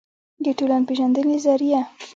دټولنپېژندې ظریه